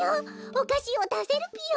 おかしをだせるぴよ。